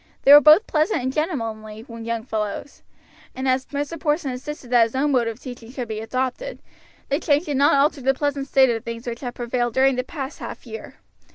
They were both pleasant and gentlemanly young fellows; and as Mr. Porson insisted that his own mode of teaching should be adopted, the change did not alter the pleasant state of things which had prevailed during the past half year.